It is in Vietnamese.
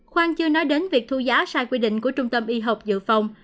khoang chưa nói đến việc thu giá sai quy định của trung tâm y học dự phòng